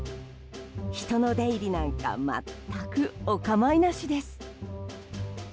人の出入りなんか全くお構いなしです。